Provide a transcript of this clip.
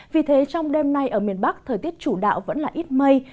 vì thế trong đêm nay ở miền bắc thời tiết chủ đạo vẫn là ít mây